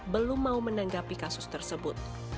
belum mau menanggapi kasus tersebut